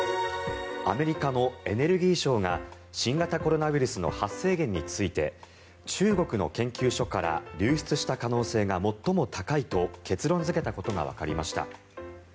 アメリカのエネルギー省が新型コロナウイルスの発生源について中国の研究所から流出した可能性が最も高いと結論付けたことがわかりました。